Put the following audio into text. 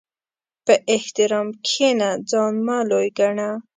په احترام کښېنه، ځان مه لوی ګڼه.